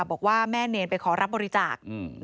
บอกว่าแม่เนรไปขอรับบริจาค